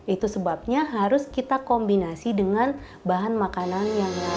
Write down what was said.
itu sebabnya harus kita kombinasi dengan bahan makanan yang lain